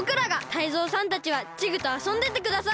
タイゾウさんたちはチグとあそんでてください。